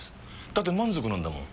だって満足なんだもん。